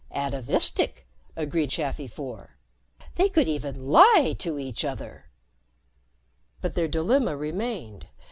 "Atavistic," agreed Chafi Four. "They could even lie to each other." But their dilemma remained.